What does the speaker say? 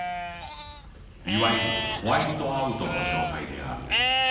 ［いわゆるホワイトアウトの状態である］